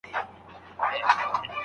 ښه استاد تل تر بد استاد ډېر شاګردان لري.